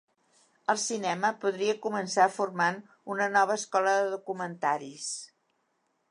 El cinema podria començar formant una nova escola de documentaris.